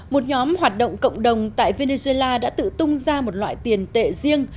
một nhóm hoạt động cộng đồng tại venezuela đã tự tung ra một loại tiền tệ riêng